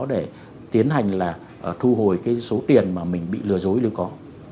để tiến hành là thu hồi cái số tiền mà mình bị lừa dối nếu có